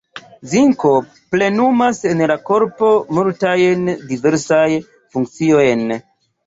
Zinko plenumas en la korpo multajn diversaj funkciojn.